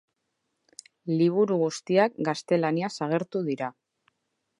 Liburu guztiak gaztelaniaz agertu dira.